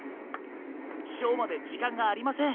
ショーまでじかんがありません。